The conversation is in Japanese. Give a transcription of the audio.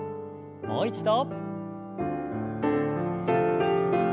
もう一度。